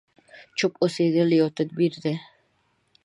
چوپ اوسېدل يو تدبير دی.